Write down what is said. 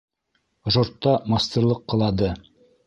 Жортта мастерлыҡ ҡылады.